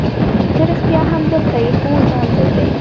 ته رښتیا هم دلته یې؟ هو زه همدلته یم.